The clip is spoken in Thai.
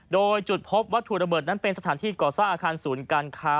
โดยจุดพบวัตถุระเบิดนั้นเป็นสถานที่ก่อสร้างอาคารศูนย์การค้า